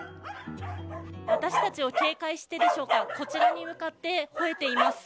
私たちを警戒してでしょうかこちらに向かって吠えています。